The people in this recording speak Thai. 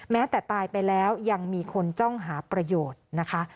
แม้แต่ตายไปแล้วยังมีคนจ้องหาประโยชน์นะคะ